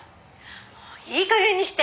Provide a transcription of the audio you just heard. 「もういい加減にして！」